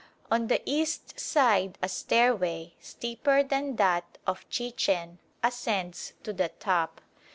On the east side a stairway, steeper than that of Chichen, ascends to the top.